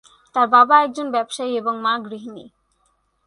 তার বাবা একজন ব্যবসায়ী এবং মা গৃহিণী।